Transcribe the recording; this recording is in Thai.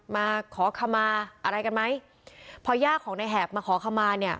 มาขอขมาอะไรกันไหมพอย่าของในแหบมาขอขมาเนี่ย